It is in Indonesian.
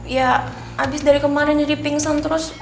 ya abis dari kemarin jadi pingsan terus